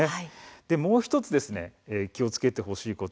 もう１つ気をつけてほしいこと。